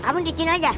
kamu disini aja